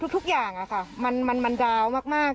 ทุกอย่างมันดาวมาก